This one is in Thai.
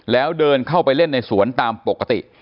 แล้วเดินเข้าไปเล่นในสวนตามปกติ